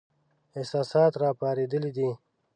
احساسات را پارېدلي دي.